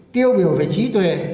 tiêu biểu về trí tuệ